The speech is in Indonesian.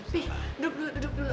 pip duduk dulu duduk dulu